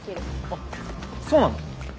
あっそうなんだ。